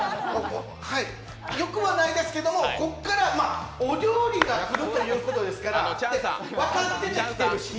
よくはないですけどここからお料理が来るということですから分かってて来てるし。